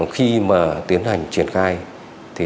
khi mà tiến hành triển khai